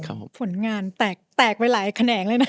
ผลงานแตกไปหลายแขนงเลยนะ